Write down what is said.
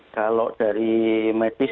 kalau dari medis